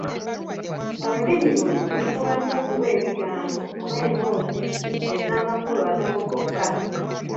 Olulimi luno lufuba nnyo okuwa ebigambo oba emboozi ez’amakulu agamu gokka.